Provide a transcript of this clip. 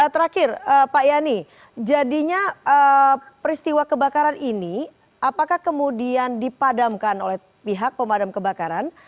terakhir pak yani jadinya peristiwa kebakaran ini apakah kemudian dipadamkan oleh pihak pemadam kebakaran